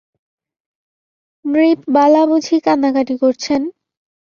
নৃপবালা বুঝি কান্নাকাটি করছেন?